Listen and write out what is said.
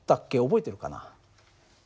覚えてるかな？